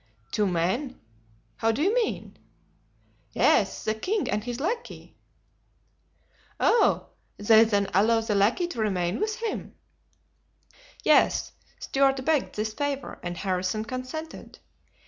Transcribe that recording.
"Two men—how do you mean?" "Yes, the king and his lackey." "Oh! then they allow the lackey to remain with him?" "Yes; Stuart begged this favor and Harrison consented.